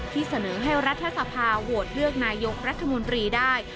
ที่เสนอให้รัฐสภาโหวตเลือกนายกรัฐมนตรีได้